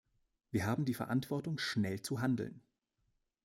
Wir haben die Verantwortung, schnell zu handeln.